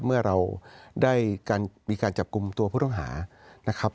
เมื่อเราได้มีการจับกลุ่มตัวผู้ต้องหานะครับ